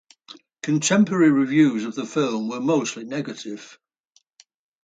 Contemporary reviews of the film were mostly negative.